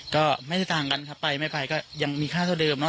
ก็ไม่ได้ต่างกันครับไปไม่ไปก็ยังมีค่าเท่าเดิ